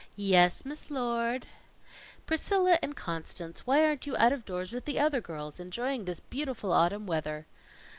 "Yes, Miss Lord." "Priscilla and Constance, why aren't you out of doors with the other girls, enjoying this beautiful autumn weather?"